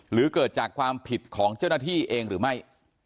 หรือเกิดจากความผิดของเจ้าหน้าที่เองหรือไม่